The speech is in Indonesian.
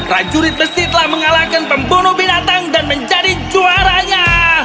prajurit besi telah mengalahkan pembunuh binatang dan menjadi juaranya